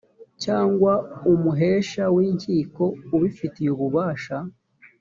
cyangwa umuhesha w’inkiko ubifitiye ububasha